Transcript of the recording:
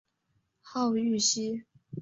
号玉溪。